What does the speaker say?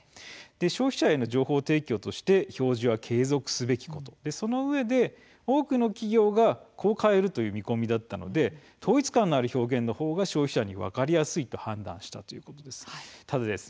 消費者への情報提供として表示は継続すべきことそのうえで多くの企業がこう変えるという見込みだったので統一感のある表現の方が消費者に分かりやすいということになったんです。